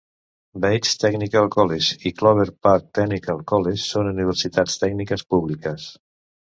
Bates Technical College i Clover Park Technical College són universitats tècniques públiques.